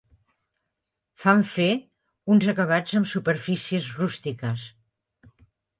Fan fer uns acabats amb superfícies rústiques.